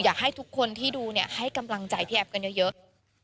อยากให้ทุกคนที่ดูเนี่ยให้กำลังใจพี่แอฟกันเยอะ